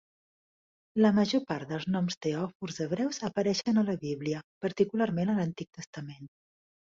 La major part dels noms teòfors hebreus apareixen a la Bíblia, particularment a l'Antic Testament.